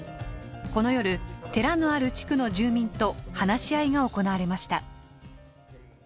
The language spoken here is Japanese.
この夜寺のある地区の住民と話し合いが行われました。